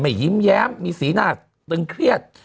มันติดคุกออกไปออกมาได้สองเดือน